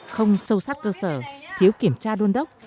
không sâu sát cơ sở thiếu kiểm tra đôn đốc